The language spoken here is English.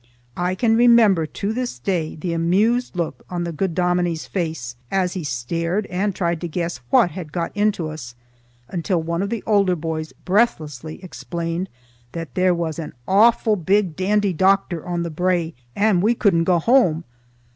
I can remember to this day the amused look on the good dominie's face as he stared and tried to guess what had got into us, until one of the older boys breathlessly explained that there was an awful big Dandy Doctor on the Brae and we couldna gang hame.